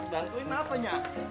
dantuin apa nya